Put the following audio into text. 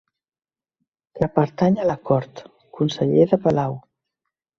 Que pertany a la cort, conseller de palau.